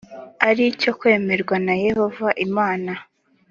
ari cyo kwemerwa na yehova imana